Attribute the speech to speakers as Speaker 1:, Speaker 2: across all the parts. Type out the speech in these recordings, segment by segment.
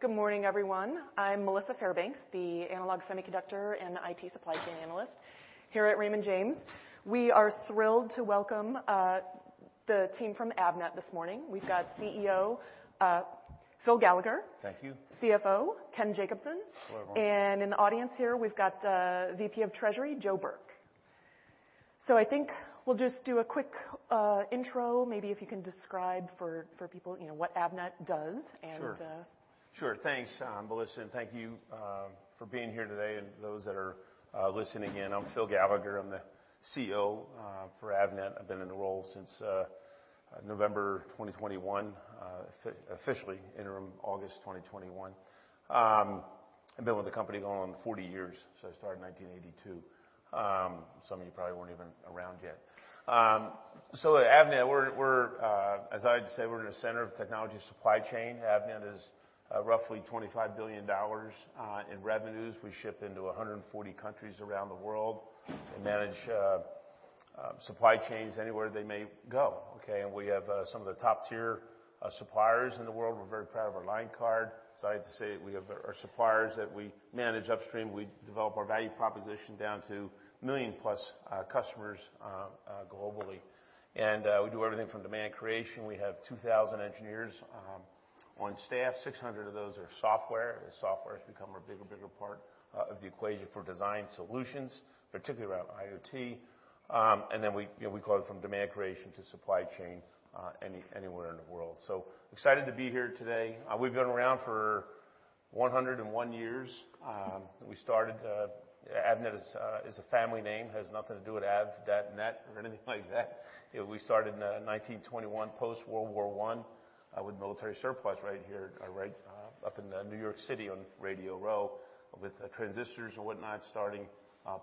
Speaker 1: Good morning, everyone. I'm Melissa Fairbanks, the analog semiconductor and IT supply chain analyst here at Raymond James. We are thrilled to welcome the team from Avnet this morning. We've got CEO Phil Gallagher.
Speaker 2: Thank you.
Speaker 1: CFO, Ken Jacobson.
Speaker 3: Hello, everyone.
Speaker 1: In the audience here, we've got VP of Treasury, Joe Burke. I think we'll just do a quick intro, maybe if you can describe for people, you know, what Avnet does.
Speaker 2: Sure. Sure. Thanks, Melissa, thank you for being here today, and those that are listening in. I'm Phil Gallagher, I'm the CEO for Avnet. I've been in the role since November 2021, officially interim August 2021. I've been with the company going on 40 years, I started in 1982. Some of you probably weren't even around yet. At Avnet, we're, as I'd say, we're in the center of technology supply chain. Avnet is roughly $25 billion in revenues. We ship into 140 countries around the world and manage supply chains anywhere they may go, okay? We have some of the top-tier suppliers in the world. We're very proud of our line card. As I had to say, we have our suppliers that we manage upstream. We develop our value proposition down to a 1 million+ customers globally. We do everything from demand creation. We have 2,000 engineers on staff. 600 of those are software, as software has become a bigger and bigger part of the equation for design solutions, particularly around IoT. We, you know, we go from demand creation to supply chain anywhere in the world. Excited to be here today. We've been around for 101 years. We started, Avnet is a family name, has nothing to do with Avs dot net or anything like that. You know, we started in 1921, post-World War I, with military surplus right here, up in New York City, on Radio Row, with transistors and whatnot, starting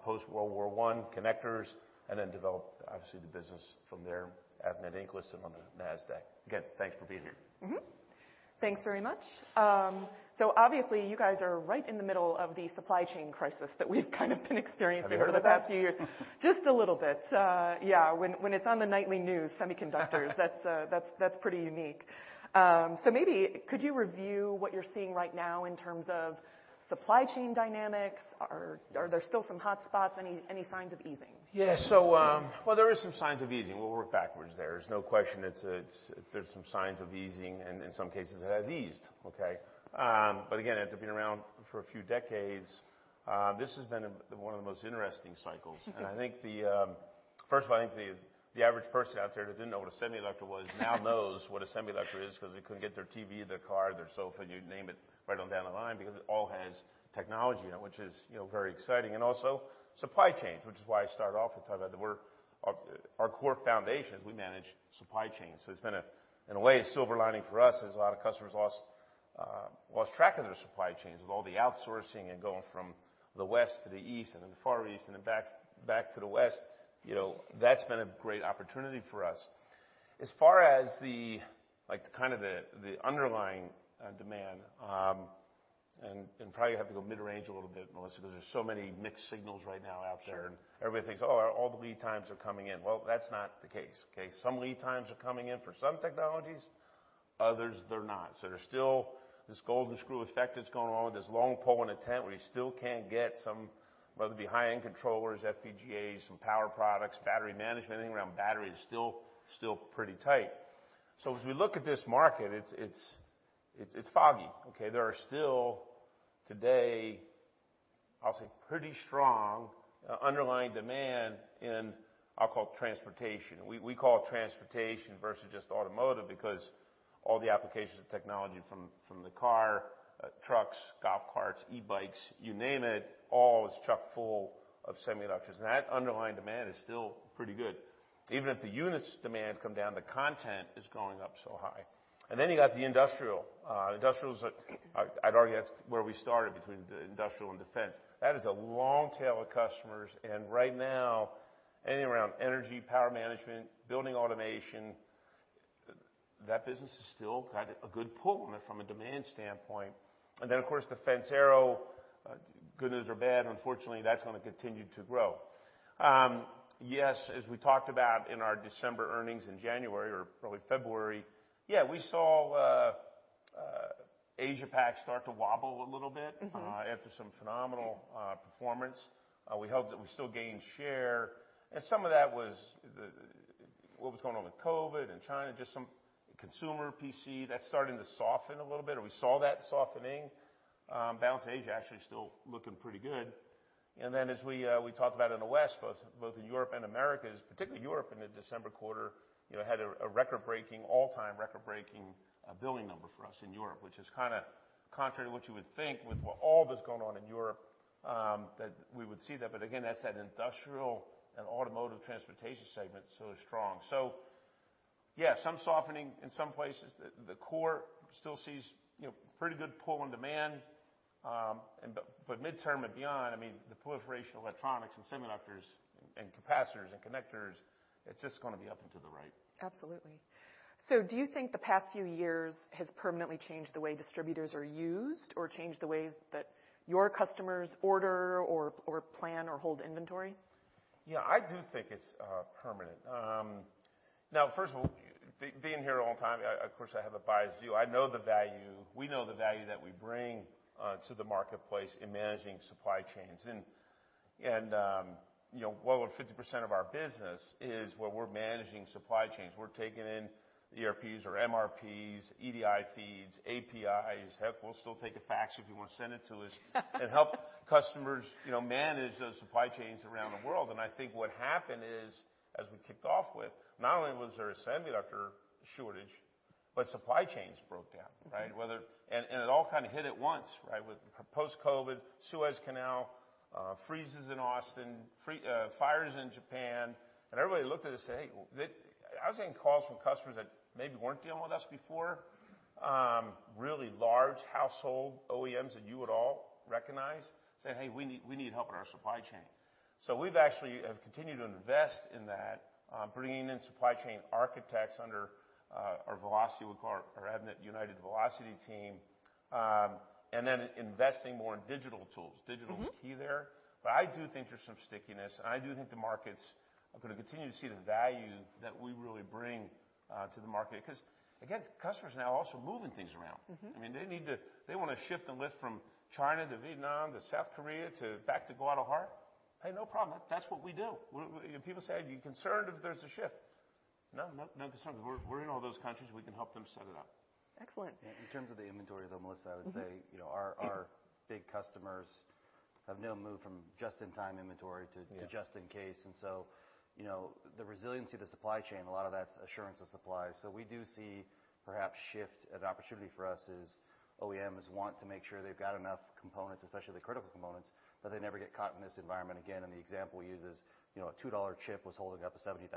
Speaker 2: post-World War I, connectors, and then developed obviously the business from there, Avnet, Inc., listed on the Nasdaq. Again, thanks for being here.
Speaker 1: Thanks very much. Obviously, you guys are right in the middle of the supply chain crisis that we've kind of been experiencing...
Speaker 2: Have we?
Speaker 1: over the past few years. Just a little bit. Yeah, when it's on the nightly news, semiconductors, that's pretty unique. Maybe could you review what you're seeing right now in terms of supply chain dynamics? Are there still some hotspots? Any signs of easing?
Speaker 2: Yeah. Well, there is some signs of easing. We'll work backwards there. There's no question there's some signs of easing, and in some cases it has eased, okay. Again, after being around for a few decades, this has been one of the most interesting cycles. I think the, first of all, I think the average person out there that didn't know what a semiconductor was now knows what a semiconductor is 'cause they couldn't get their TV, their car, their sofa, you name it, right on down the line because it all has technology in it, which is, you know, very exciting. Also, supply chains, which is why I started off with talking about that our core foundation, is we manage supply chains. It's been a, in a way, a silver lining for us, as a lot of customers lost track of their supply chains with all the outsourcing and going from the West to the East and then the Far East and then back to the West. You know, that's been a great opportunity for us. As far as the, like, kind of the underlying demand, and probably have to go mid-range a little bit, Melissa, 'cause there's so many mixed signals right now out there.
Speaker 1: Sure.
Speaker 2: Everybody thinks, "Oh, all the lead times are coming in." Well, that's not the case, okay? Some lead times are coming in for some technologies, others they're not. There's still this golden screw effect that's going on with this long pole in a tent, where you still can't get some, whether it be high-end controllers, FPGAs, some power products, battery management, anything around battery is still pretty tight. As we look at this market, it's foggy, okay? There are still today, I'll say pretty strong underlying demand in, I'll call it, transportation. We call it transportation versus just automotive because all the applications of technology from the car, trucks, golf carts, e-bikes, you name it, all is chock-full of semiconductors, and that underlying demand is still pretty good. Even if the units demand come down, the content is going up so high. Then you got the industrial. industrial's I'd argue that's where we started, between the industrial and defense. That is a long tail of customers. Right now, anything around energy, power management, building automation, that business is still got a good pull on it from a demand standpoint. Then of course, the defense aero, good news or bad, unfortunately, that's gonna continue to grow. Yes, as we talked about in our December earnings in January or probably February, yeah, we saw Asia Pac start to wobble a little bit. After some phenomenal performance. We hope that we still gain share, and some of that was the, what was going on with COVID and China, just some consumer PC that's starting to soften a little bit, or we saw that softening. Balance in Asia actually is still looking pretty good. As we talked about in the West, both in Europe and Americas, particularly Europe in the December quarter, you know, had a record-breaking, all-time record-breaking billing number for us in Europe, which is kind of contrary to what you would think with what all that's going on in Europe, that we would see that. Again, that's that industrial and automotive transportation segment so strong. Yes, some softening in some places. The core still sees, you know, pretty good pull on demand, midterm and beyond, I mean, the proliferation of electronics and semiconductors and capacitors and connectors, it's just gonna be up and to the right.
Speaker 1: Absolutely. Do you think the past few years has permanently changed the way distributors are used or changed the ways that your customers order or plan or hold inventory?
Speaker 2: Yeah. I do think it's permanent. Now, first of all, being here a long time, I, of course, have a biased view. I know the value, we know the value that we bring to the marketplace in managing supply chains. And, you know, well over 50% of our business is where we're managing supply chains. We're taking in ERPs or MRPs, EDI feeds, APIs, heck, we'll still take a fax if you wanna send it to us. Help customers, you know, manage those supply chains around the world. I think what happened is, as we kicked off with, not only was there a semiconductor shortage, but supply chains broke down, right? Whether it all kind of hit at once, right, with post-COVID, Suez Canal, freezes in Austin, fires in Japan. Everybody looked at it and said, "Hey," I was getting calls from customers that maybe weren't dealing with us before, really large household OEMs that you would all recognize, saying, "Hey, we need help in our supply chain." We've actually have continued to invest in that, bringing in supply chain architects under our Velocity, our Avnet United Velocity team, and then investing more in digital tools. Digital's key there. I do think there's some stickiness, and I do think the markets are gonna continue to see the value that we really bring to the market. 'Cause, again, customers now also moving things around. I mean, They wanna shift and lift from China to Vietnam to South Korea to back to Guadalajara. Hey, no problem. That's what we do. When people say, "Are you concerned if there's a shift?" No, I'm not concerned. We're in all those countries, we can help them set it up.
Speaker 1: Excellent.
Speaker 3: In terms of the inventory, though, Melissa, I would say, you know, our big customers have now moved from just-in-time inventory to just in case. You know, the resiliency of the supply chain, a lot of that's assurance of supply. We do see perhaps shift. An opportunity for us is OEMs want to make sure they've got enough components, especially the critical components, that they never get caught in this environment again. The example we use is, you know, a $2 chip was holding up a $70,000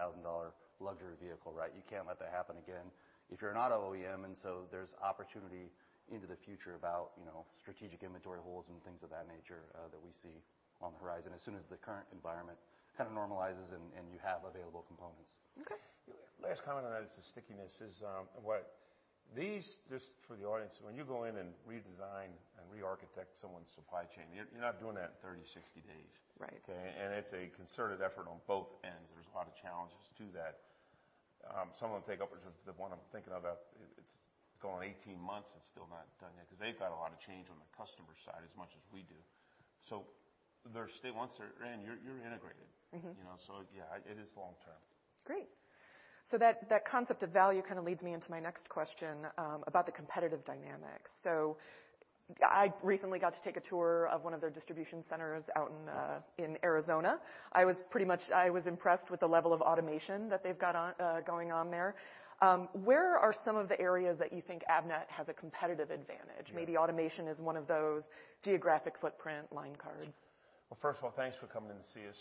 Speaker 3: luxury vehicle, right? You can't let that happen again. If you're not an OEM, there's opportunity into the future, about, you know, strategic inventory holes and things of that nature that we see on the horizon as soon as the current environment kind of normalizes and you have available components.
Speaker 1: Okay.
Speaker 2: Last comment on that is the stickiness is, what these, just for the audience, when you go in and redesign and rearchitect someone's supply chain, you're not doing that in 30, 60 days.
Speaker 1: Right.
Speaker 2: Okay? It's a concerted effort on both ends. There's a lot of challenges to that. Some of them take up, the one I'm thinking about, it's going 18 months and still not done yet, because they've got a lot of change on the customer side as much as we do. They're once they're in, you're integrated. You know? Yeah, it is long-term.
Speaker 1: Great. That concept of value kind of leads me into my next question about the competitive dynamics. I recently got to take a tour of one of their distribution centers out in Arizona. I was impressed with the level of automation that they've got on going on there. Where are some of the areas that you think Avnet has a competitive advantage? Maybe automation is one of those, geographic footprint, line cards.
Speaker 2: Well, first of all, thanks for coming in to see us.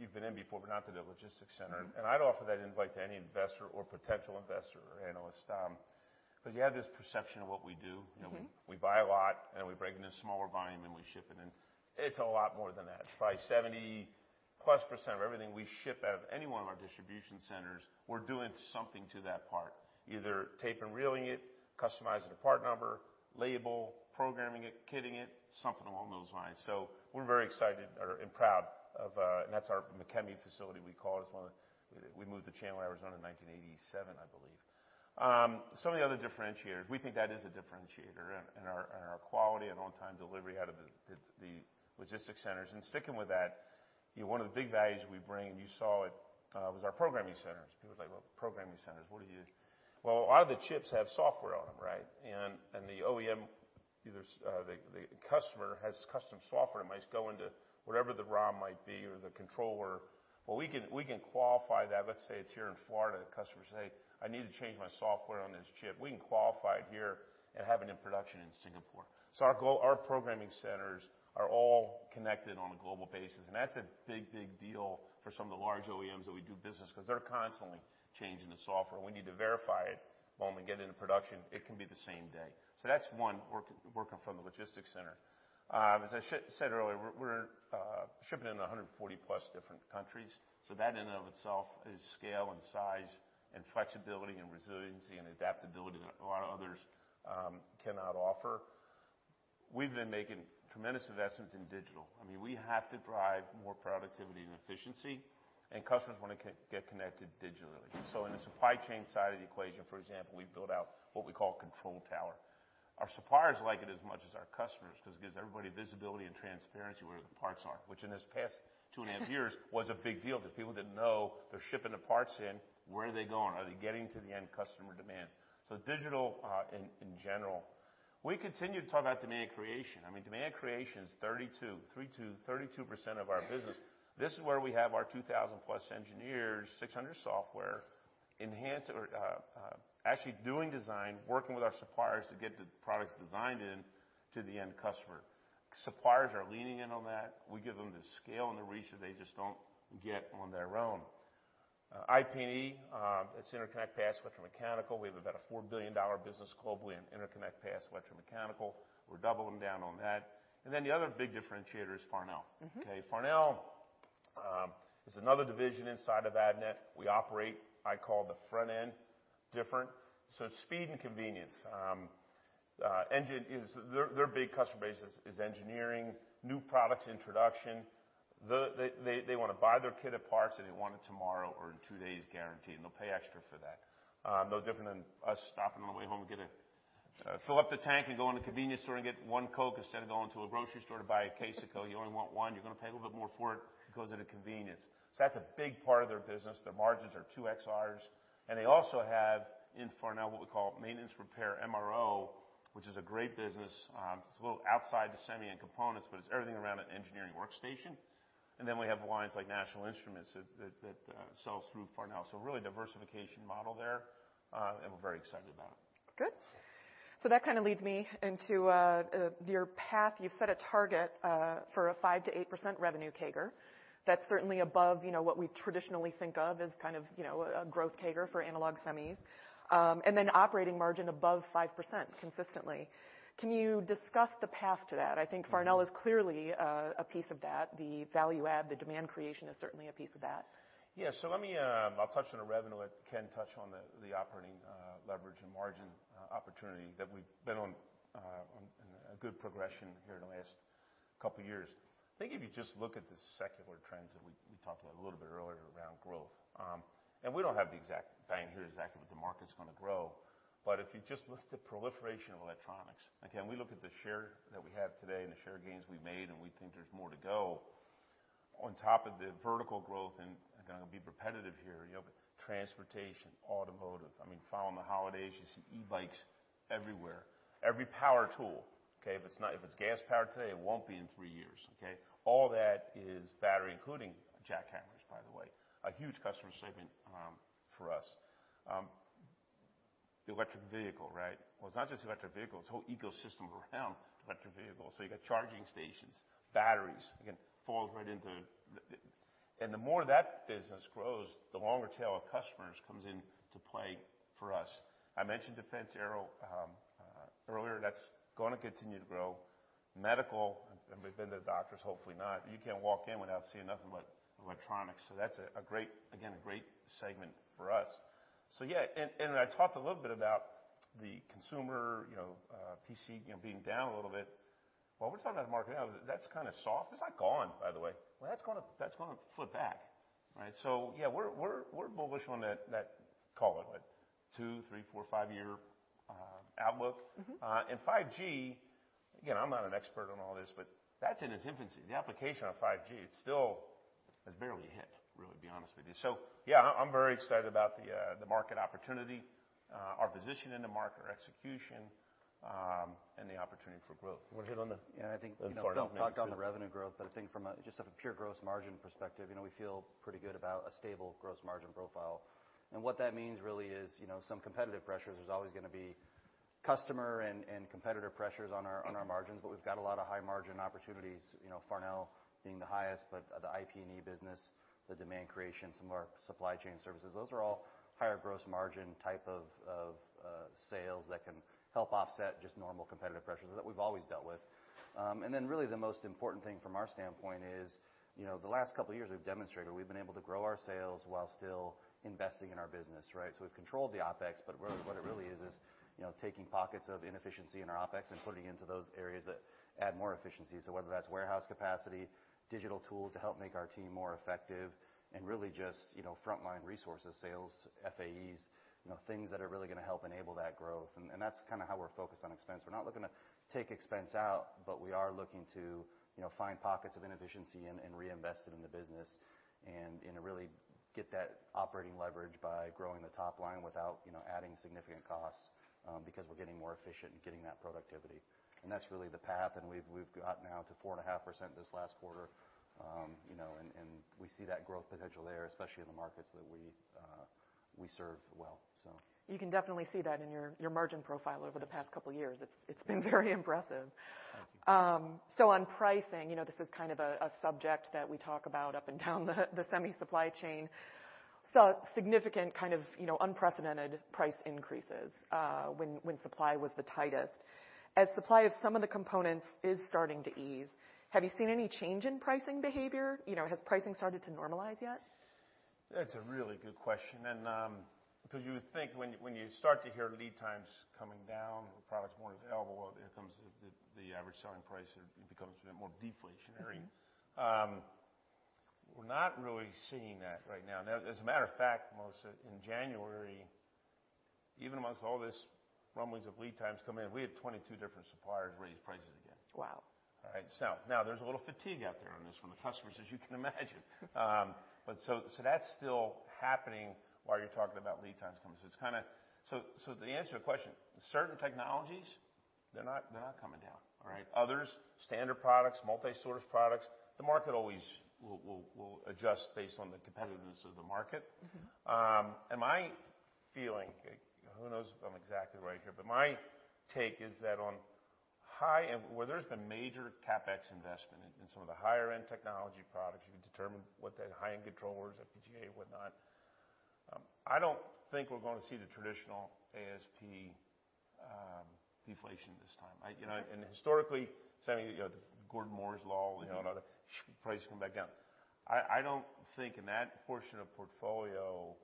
Speaker 2: You've been in before, but not to the logistics center. I'd offer that invite to any investor or potential investor or analyst, 'cause you have this perception of what we do. You know, we buy a lot, we break into smaller volume, we ship it. It's a lot more than that. Probably 70%+ of everything we ship out of any one of our distribution centers, we're doing something to that part, either tape and reeling it, customizing the part number, label, programming it, kitting it, something along those lines. We're very excited and proud of, that's our McKemy facility we call it. We moved to Chandler, Arizona, in 1987, I believe. Some of the other differentiators, we think that is a differentiator in our quality and on-time delivery out of the logistics centers. Sticking with that, you know, one of the big values we bring, and you saw it, was our programming centers. People are like, "Well, programming centers, what do you..." Well, a lot of the chips have software on them, right? The OEM, either the customer has custom software that might go into whatever the ROM might be or the controller. Well, we can qualify that. Let's say it's here in Florida. The customer say, "I need to change my software on this chip." We can qualify it here and have it in production in Singapore. Our goal, our programming centers are all connected on a global basis, and that's a big, big deal for some of the large OEMs that we do business, 'cause they're constantly changing the software. We need to verify it while we get it into production. It can be the same day. That's one work, working from the logistics center. As I said earlier, we're shipping in 140+ different countries, so that in and of itself is scale and size and flexibility and resiliency and adaptability that a lot of others cannot offer. We've been making tremendous investments in digital. I mean, we have to drive more productivity and efficiency, and customers wanna get connected digitally. In the supply chain side of the equation, for example, we've built out what we call control tower. Our suppliers like it as much as our customers, 'cause it gives everybody visibility and transparency where the parts are, which in this past 2.5 years was a big deal, because people didn't know they're shipping the parts in, where are they going? Are they getting to the end customer demand? Digital, in general. We continue to talk about demand creation. I mean, demand creation is 32% of our business. This is where we have our 2,000+ engineers, 600 software, enhance or actually doing design, working with our suppliers to get the products designed in to the end customer. Suppliers are leaning in on that. We give them the scale and the reach that they just don't get on their own. IP&E, it's interconnect, power, switch, mechanical. We have about a $4 billion business globally in interconnect, power, switch, mechanical. We're doubling down on that. The other big differentiator is Farnell. Okay? Farnell is another division inside of Avnet. We operate, I call it the front end different, it's speed and convenience. Their big customer base is engineering, new products introduction. They wanna buy their kit of parts, and they want it tomorrow or in two days guaranteed, and they'll pay extra for that. No different than us stopping on the way home and getting fill up the tank and go in the convenience store and get one Coke instead of going to a grocery store to buy a case of Coke. You only want one, you're gonna pay a little bit more for it. It goes into convenience. That's a big part of their business. Their margins are 2x Rs. They also have in Farnell what we call maintenance repair, MRO, which is a great business, it's a little outside the semi and components, but it's everything around an engineering workstation. Then we have lines like National Instruments that sells through Farnell. Really diversification model there, and we're very excited about it.
Speaker 1: Good. That kinda leads me into your path. You've set a target for a 5%-8% revenue CAGR. That's certainly above, you know, what we traditionally think of as kind of, you know, a growth CAGR for analog semis. Then operating margin above 5% consistently. Can you discuss the path to that? I think Farnell is clearly a piece of that, the value add, the demand creation is certainly a piece of that.
Speaker 2: Let me, I'll touch on the revenue, and Ken touch on the operating leverage and margin opportunity that we've been on a good progression here in the last couple years. I think if you just look at the secular trends that we talked about a little bit earlier around growth, we don't have the exact dime here, exactly what the market's gonna grow, but if you just look at the proliferation of electronics. We look at the share that we have today and the share gains we've made, we think there's more to go. On top of the vertical growth, I'm gonna be repetitive here, you know, transportation, automotive, I mean, following the holidays, you see e-bikes everywhere. Every power tool, okay, if it's gas-powered today, it won't be in three years, okay? All that is battery, including jackhammers, by the way. A huge customer segment for us. The electric vehicle, right? Well, it's not just the electric vehicle, it's the whole ecosystem around the electric vehicle. You got charging stations, batteries, again, falls right into the... The more that business grows, the longer tail of customers comes into play for us. I mentioned defense aero earlier, that's gonna continue to grow. Medical, we've been to the doctors, hopefully not, you can't walk in without seeing nothing but electronics, that's a great, again, a great segment for us. Yeah, and I talked a little bit about the consumer, you know, PC, you know, being down a little bit. While we're talking about the market now, that's kinda soft. It's not gone, by the way. Well, that's gonna flip back, right? Yeah, we're bullish on that, call it, what, two, three, four, five year outlook. 5G, again, I'm not an expert on all this, but that's in its infancy. The application of 5G, it's still has barely hit, really, to be honest with you. Yeah, I'm very excited about the market opportunity, our position in the market, our execution, and the opportunity for growth.
Speaker 3: Yeah, I think-
Speaker 2: Farnell piece too.
Speaker 3: You know, Phil talked on the revenue growth, but I think from a, just a pure gross margin perspective, you know, we feel pretty good about a stable gross margin profile. What that means really is, you know, some competitive pressures, there's always gonna be customer and competitive pressures on our, on our margins. We've got a lot of high margin opportunities, you know, Farnell being the highest, but the IP&E business, the demand creation, some of our supply chain services, those are all higher gross margin type of sales that can help offset just normal competitive pressures that we've always dealt with. Really the most important thing from our standpoint is, you know, the last couple years we've demonstrated we've been able to grow our sales while still investing in our business, right? We've controlled the OpEx, but really what it really is, you know, taking pockets of inefficiency in our OpEx and putting into those areas that add more efficiency. Whether that's warehouse capacity, digital tools to help make our team more effective and really just, you know, frontline resources, sales, FAEs, you know, things that are really gonna help enable that growth. That's kinda how we're focused on expense. We're not looking to take expense out, but we are looking to, you know, find pockets of inefficiency and reinvest it in the business and really get that operating leverage by growing the top line without, you know, adding significant costs, because we're getting more efficient in getting that productivity. That's really the path, and we've gotten now to 4.5% this last quarter, you know, and we see that growth potential there, especially in the markets that we serve well, so.
Speaker 1: You can definitely see that in your margin profile over the past couple years. It's been very impressive.
Speaker 3: Thank you.
Speaker 1: On pricing, you know, this is kind of a subject that we talk about up and down the semi supply chain. Saw significant kind of, you know, unprecedented price increases, when supply was the tightest. As supply of some of the components is starting to ease, have you seen any change in pricing behavior? You know, has pricing started to normalize yet?
Speaker 2: That's a really good question. 'Cause you would think when you start to hear lead times coming down or products more available, well, here comes the average selling price, it becomes a bit more deflationary. We're not really seeing that right now. Now, as a matter of fact, Melissa, in January, even amongst all this rumblings of lead times coming in, we had 22 different suppliers raise prices again.
Speaker 1: Wow.
Speaker 2: All right. Now there's a little fatigue out there on this from the customers, as you can imagine. That's still happening while you're talking about lead times coming. It's kinda... To answer your question, certain technologies, they're not coming down. All right. Others, standard products, multi-source products, the market always will adjust based on the competitiveness of the market. My feeling, who knows if I'm exactly right here, but my take is that on high end, where there's been major CapEx investment in some of the higher end technology products, you can determine what that high-end controller is, FPGA and whatnot, I don't think we're gonna see the traditional ASP deflation there. I, you know, and historically, Sammy, you know, Gordon Moore's Law, you know, and all the prices come back down. I don't think in that portion of portfolio,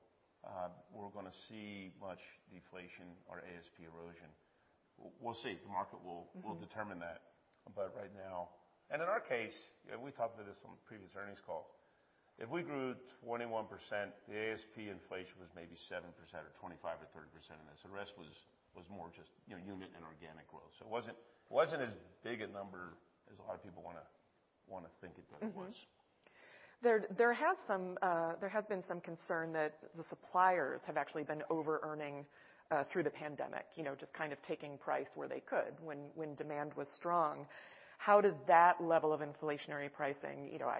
Speaker 2: we're gonna see much deflation or ASP erosion. We'll see. The market will determine that. Right now. In our case, we talked about this on previous earnings calls, if we grew 21%, the ASP inflation was maybe 7% or 25% or 30% of this. The rest was more just, you know, unit and organic growth. It wasn't as big a number as a lot of people wanna think it was.
Speaker 1: There has been some concern that the suppliers have actually been overearning through the pandemic, you know, just kind of taking price where they could when demand was strong. How does that level of inflationary pricing, you know,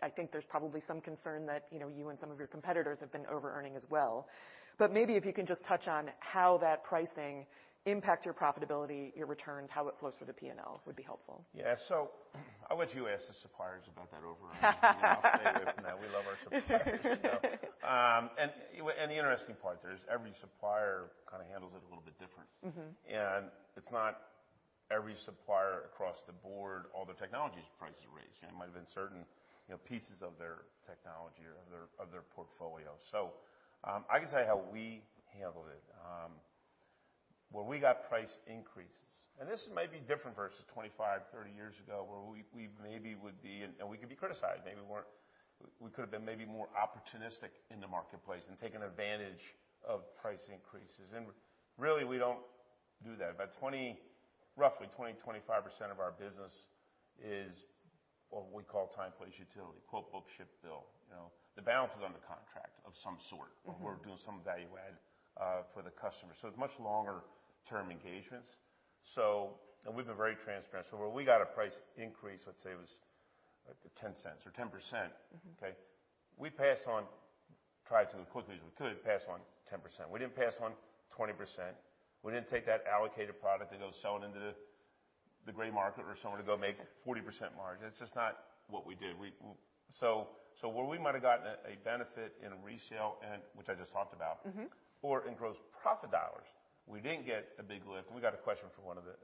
Speaker 1: I think there's probably some concern that, you know, you and some of your competitors have been overearning as well. Maybe if you can just touch on how that pricing impacts your profitability, your returns, how it flows through the P&L would be helpful.
Speaker 2: Yeah. I'll let you ask the suppliers about that over-earning. I'll stay away from that. We love our suppliers. The interesting part there is every supplier kind of handles it a little bit different. It's not every supplier across the board, all their technology's prices raised. You know, it might have been certain, you know, pieces of their technology or of their portfolio. I can tell you how we handled it. When we got price increases, and this may be different versus 25, 30 years ago, where we maybe would be, and we could be criticized, maybe we weren't, we could have been maybe more opportunistic in the marketplace and taken advantage of price increases. Really, we don't do that. About 20, roughly 20, 25% of our business is what we call time, place, utility. Quote, book, ship, bill, you know? The balance is under contract of some sort. We're doing some value add for the customer. It's much longer-term engagements. We've been very transparent. Where we got a price increase, let's say it was like $0.10 or 10%. Okay? We passed on, tried to as quickly as we could, pass on 10%. We didn't pass on 20%. We didn't take that allocated product to go sell it into the gray market or somewhere to go make 40% margin. It's just not what we do. Where we might have gotten a benefit in resale and which I just talked about. In gross profit dollars, we didn't get a big lift. We got a question from one of the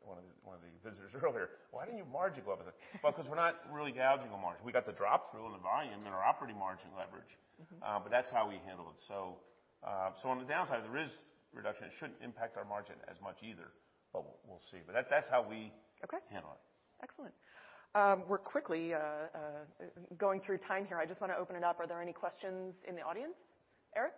Speaker 2: visitors earlier, "Why didn't your margin go up as a..." Well, 'cause we're not really gouging on margin. We got the drop through on the volume and our operating margin leverage. That's how we handle it. On the downside, there is reduction. It shouldn't impact our margin as much either, but we'll see. That's how we handle it.
Speaker 1: Excellent. We're quickly going through time here. I just wanna open it up. Are there any questions in the audience? Eric?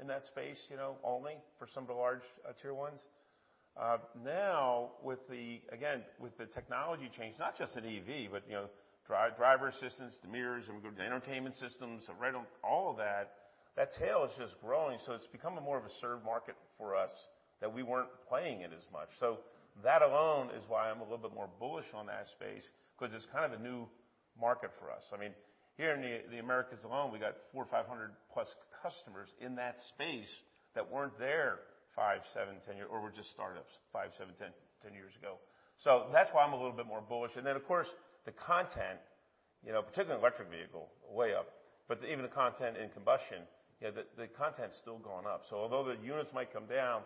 Speaker 2: in that space, you know, only for some of the large tier ones. Now with the, again, with the technology change, not just at EV, but, you know, driver assistance, the mirrors, and we go to the entertainment systems, the radar, all of that tail is just growing. It's become a more of a served market for us that we weren't playing in as much. That alone is why I'm a little bit more bullish on that space, 'cause it's kind of a new market for us. I mean, here in the Americas alone, we got 400 or 500 plus customers in that space that weren't there 5, 7, 10 years, or were just startups 5, 7, 10 years ago. That's why I'm a little bit more bullish. Of course, the content, you know, particularly electric vehicle, way up, but even the content in combustion, you know, the content's still going up. Although the units might come down,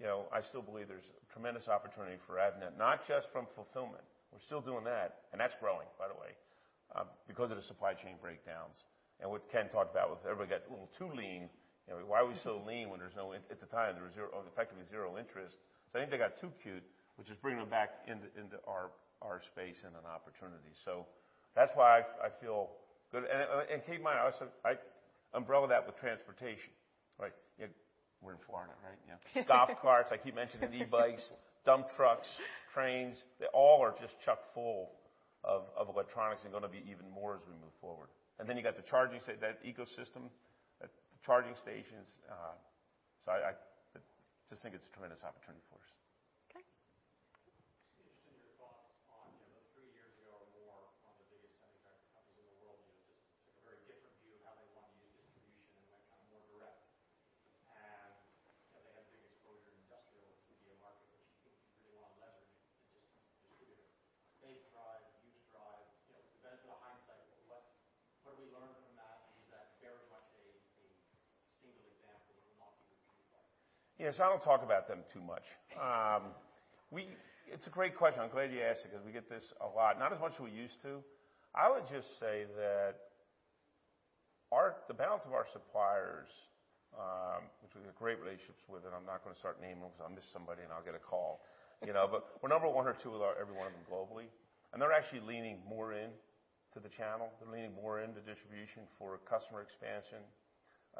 Speaker 2: you know, I still believe there's tremendous opportunity for Avnet, not just from fulfillment. We're still doing that, and that's growing, by the way, because of the supply chain breakdowns. What Ken talked about with everybody got a little too lean. You know, why are we so lean when there's no in...? At the time, there was zero, effectively zero interest. I think they got too cute, which is bringing them back into our space and an opportunity. That's why I feel good. Keep in mind, I umbrella that with transportation, right? We're in Florida, right?
Speaker 1: Yeah.
Speaker 2: Golf carts, I keep mentioning e-bikes, dump trucks, trains. They all are just chuck full of electronics and gonna be even more as we move forward. You got that ecosystem, the charging stations. I just think it's a tremendous opportunity for us.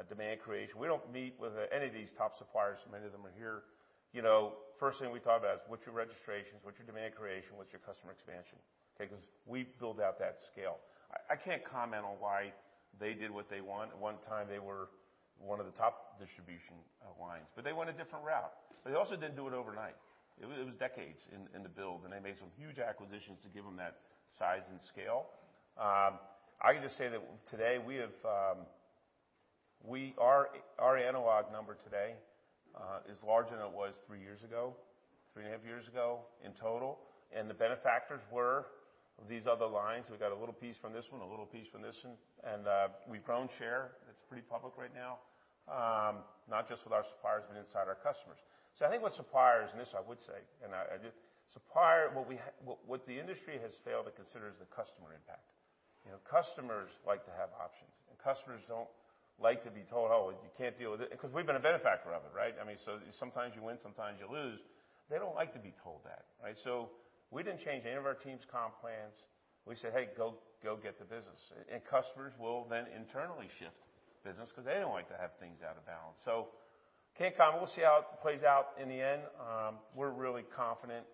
Speaker 2: demand creation. We don't meet with any of these top suppliers, many of them are here. You know, first thing we talk about is what's your registrations, what's your demand creation, what's your customer expansion? Okay, 'cause we build out that scale. I can't comment on why they did what they want. At one time, they were one of the top distribution lines, but they went a different route. They also didn't do it overnight. It was, it was decades in the build, and they made some huge acquisitions to give them that size and scale. I can just say that today we have our analog number today is larger than it was three years ago, three and a half years ago in total, and the benefactors were these other lines. We got a little piece from this one, a little piece from this one, and we've grown share. It's pretty public right now, not just with our suppliers but inside our customers. I think with suppliers, and this I would say, and I do, supplier, what the industry has failed to consider is the customer impact. You know, customers like to have options, and customers don't like to be told, "Oh, you can't deal with it," 'cause we've been a benefactor of it, right? I mean, sometimes you win, sometimes you lose. They don't like to be told that, right? We didn't change any of our team's comp plans. We said, "Hey, go get the business." Customers will then internally shift business 'cause they don't like to have things out of balance. Can't comment. We'll see how it plays out in the end. We're really confident,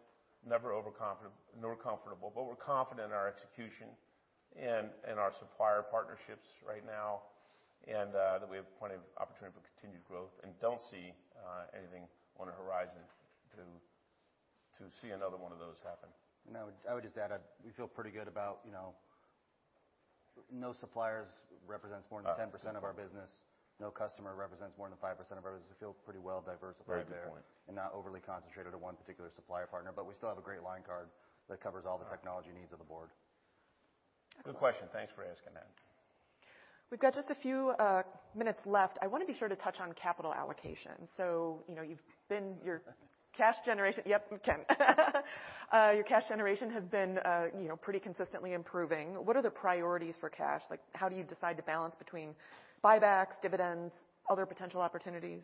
Speaker 2: never overconfident nor comfortable, but we're confident in our execution and our supplier partnerships right now, and that we have plenty of opportunity for continued growth and don't see anything on the horizon to see another one of those happen.
Speaker 3: I would just add, we feel pretty good about, you know, no suppliers represents more than 10% of our business. No customer represents more than 5% of our business. We feel pretty well diversified there.
Speaker 2: Very good point.
Speaker 3: Not overly concentrated at one particular supplier partner, but we still have a great line card that covers all the technology needs of the board.
Speaker 2: Good question. Thanks for asking that.
Speaker 1: We've got just a few minutes left. I wanna be sure to touch on capital allocation. you know, your cash generation... Yep, Ken. your cash generation has been, you know, pretty consistently improving. What are the priorities for cash? Like, how do you decide to balance between buybacks, dividends, other potential opportunities?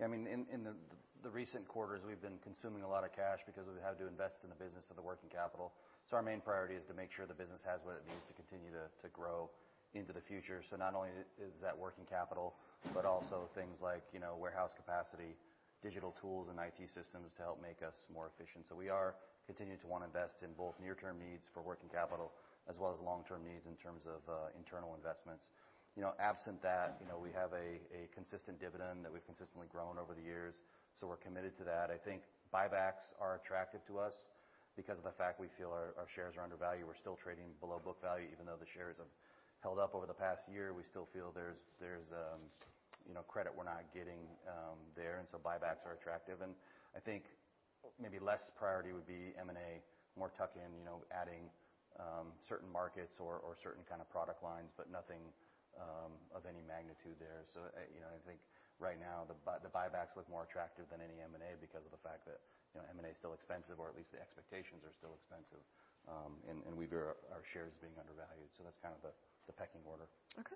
Speaker 3: I mean, in the recent quarters, we've been consuming a lot of cash because we had to invest in the business of the working capital. Our main priority is to make sure the business has what it needs to continue to grow into the future. Not only is that working capital, but also things like, you know, warehouse capacity, digital tools, and IT systems to help make us more efficient. We are continuing to wanna invest in both near-term needs for working capital as well as long-term needs in terms of internal investments. You know, absent that, you know, we have a consistent dividend that we've consistently grown over the years, so we're committed to that. I think buybacks are attractive to us because of the fact we feel our shares are undervalued. We're still trading below book value. Even though the shares have held up over the past year, we still feel there's, you know, credit we're not getting there, buybacks are attractive. I think maybe less priority would be M&A, more tuck-in, you know, adding certain markets or certain kind of product lines, but nothing of any magnitude there. You know, I think right now the buybacks look more attractive than any M&A because of the fact that, you know, M&A is still expensive, or at least the expectations are still expensive. We view our shares as being undervalued. That's kind of the pecking order.
Speaker 1: Okay.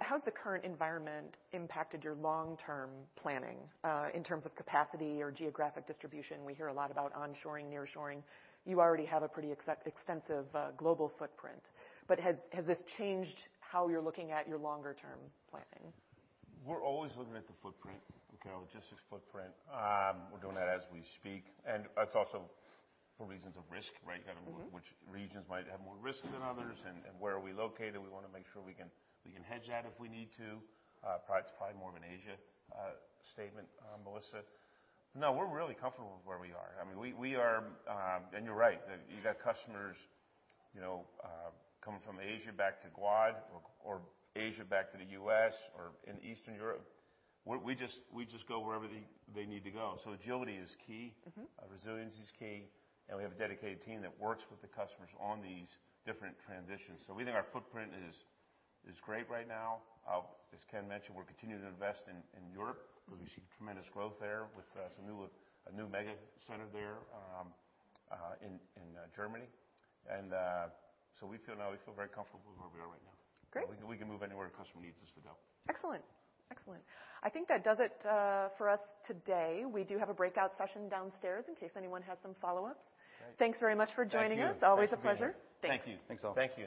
Speaker 1: How's the current environment impacted your long-term planning, in terms of capacity or geographic distribution? We hear a lot about onshoring, nearshoring. You already have a pretty extensive, global footprint, but has this changed how you're looking at your longer term planning?
Speaker 2: We're always looking at the footprint, okay, logistics footprint. We're doing that as we speak, that's also for reasons of risk, right?
Speaker 1: Mm-hmm.
Speaker 2: Kinda which regions might have more risk than others and where are we located, we wanna make sure we can hedge that if we need to. It's probably more of an Asia statement, Melissa. We're really comfortable with where we are. I mean, we are. You got customers, you know, coming from Asia back to Guad or Asia back to the U.S. or in Eastern Europe. We just go wherever they need to go. Agility is key.
Speaker 1: Mm-hmm.
Speaker 2: Resiliency is key. We have a dedicated team that works with the customers on these different transitions. We think our footprint is great right now. As Ken mentioned, we're continuing to invest in Europe.
Speaker 1: Mm-hmm.
Speaker 2: We see tremendous growth there with a new mega center there, in Germany. We feel now very comfortable with where we are right now.
Speaker 1: Great.
Speaker 2: We can move anywhere a customer needs us to go.
Speaker 1: Excellent. Excellent. I think that does it for us today. We do have a breakout session downstairs in case anyone has some follow-ups.
Speaker 2: Great.
Speaker 1: Thanks very much for joining us.
Speaker 2: Thank you.
Speaker 3: Thanks for being here.
Speaker 1: It's always a pleasure. Thanks.
Speaker 2: Thank you.
Speaker 3: Thanks, all.
Speaker 2: Thank you.